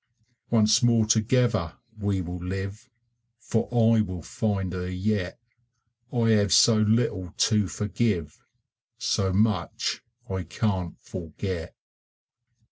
Once more together we will live, For I will find her yet: I have so little to forgive; So much, I can't forget.